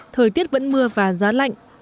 thời tiết vẫn mưa và giá lạnh